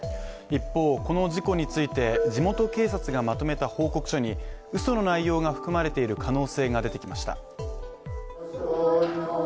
一方、この事故について、地元警察がまとめた報告書にうその内容が含まれている可能性が出てきました。